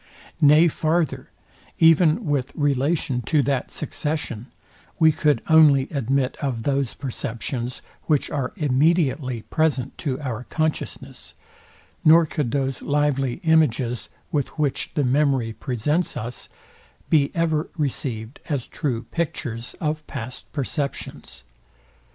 Nay farther, even with relation to that succession, we could only admit of those perceptions, which are immediately present to our consciousness, nor could those lively images, with which the memory presents us, be ever received as true pictures of past perceptions.